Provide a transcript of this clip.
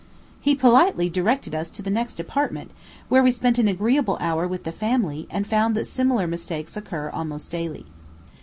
He politely directed us to the next apartment, where we spent an agreeable hour with the family, and found that similar mistakes occur almost daily.